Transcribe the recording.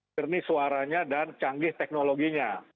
jadi suaranya dan canggih teknologinya